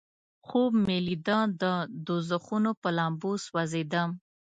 خوب مې لیده د دوزخونو په لمبو سوځیدل.